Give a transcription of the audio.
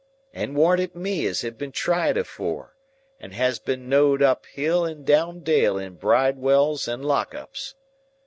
And warn't it me as had been tried afore, and as had been know'd up hill and down dale in Bridewells and Lock Ups!